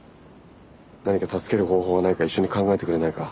何か助ける方法はないか一緒に考えてくれないか？